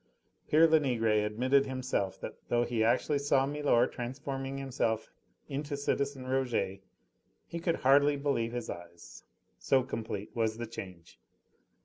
Pere Lenegre admitted himself that though he actually saw milor transforming himself into citizen Rouget, he could hardly believe his eyes, so complete was the change.